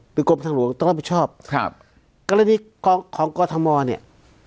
กรมทางหลวงต้องรับผิดชอบครับกรณีกองของกรทมเนี่ย